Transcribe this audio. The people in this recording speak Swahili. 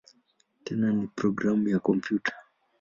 Tena ni programu ya kompyuta.